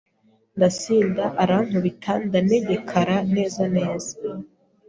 ndasinda arankubita ndanegekara neza neza